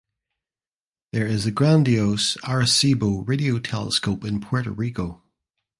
There is the grandiose Arecibo radio telescope in Puerto Rico.